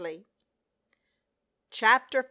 49 CHAPTER V.